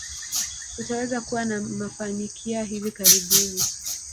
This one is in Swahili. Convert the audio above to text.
Utaweza kuwa na mafanikia hivi karibuni.